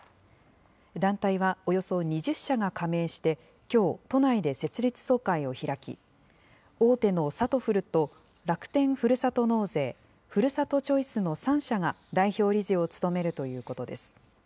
団体はおよそ２０社が加盟して、きょう都内で設立総会を開き、大手のさとふると楽天ふるさと納税、ふるさとチョイスの３社が代表理事を務めるということです。